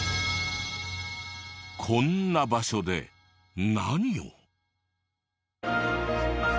こんな場所で何を？